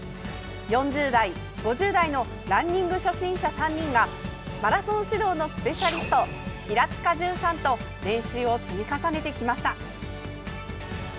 ４０代５０代のランニング初心者３人がマラソン指導のスペシャリスト平塚潤さんと練習を積み重ねてきました。